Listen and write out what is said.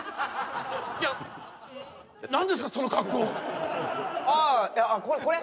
いや何ですかその格好ああこれ？